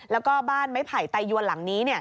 แล้วก็บ้านไม้ไผ่ไตยวนหลังนี้